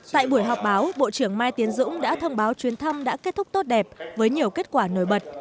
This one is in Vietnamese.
tại buổi họp báo bộ trưởng mai tiến dũng đã thông báo chuyến thăm đã kết thúc tốt đẹp với nhiều kết quả nổi bật